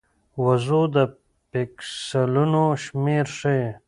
وضوح د پیکسلونو شمېر ښيي.